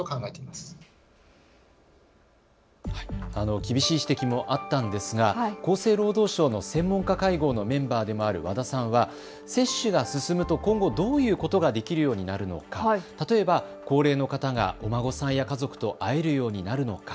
厳しい指摘もあったんですが厚生労働省の専門家会合のメンバーでもある和田さんは接種が進むと今後どういうことができるようになるのか、例えば、高齢の方がお孫さんや家族と会えるようになるのか。